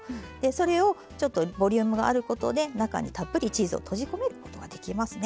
それをちょっとボリュームがあることで中にたっぷりチーズを閉じ込めることができますね。